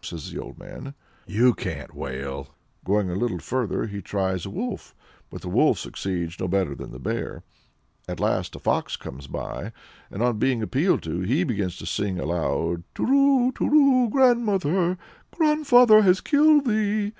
says the old man, "you can't wail." Going a little further he tries a wolf, but the wolf succeeds no better than the bear. At last a fox comes by, and on being appealed to, begins to cry aloud "Turu Turu, grandmother! grandfather has killed thee!"